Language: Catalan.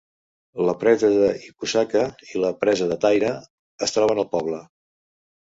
La presa de Ikusaka i la presa de Taira es troben al poble.